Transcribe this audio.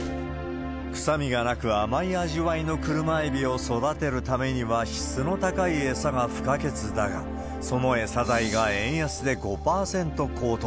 臭みがなく、甘い味わいのクルマエビを育てるためには質の高い餌が不可欠だが、その餌代が円安で５％高騰。